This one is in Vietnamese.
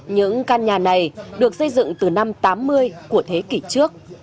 những căn nhà này được xây dựng từ năm tám mươi của thế kỷ trước